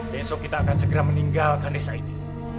besok kita akan segera meninggalkan desa ini